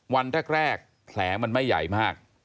วันแรกแผลมันไม่ใหญ่มาก